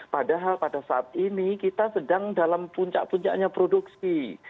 padahal pada saat ini kita sedang dalam puncak puncaknya produksi